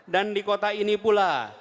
dan di kota ini pula